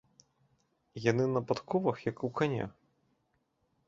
Яны на падковах, як у каня.